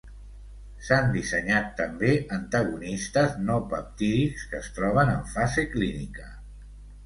S’han dissenyat també antagonistes no peptídics que es troben en fase clínica.